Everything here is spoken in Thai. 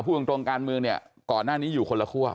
พูดตรงการเมืองเนี่ยก่อนหน้านี้อยู่คนละคั่ว